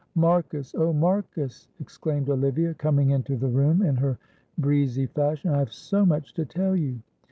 "Marcus! oh, Marcus!" exclaimed Olivia, coming into the room in her breezy fashion. "I have so much to tell you.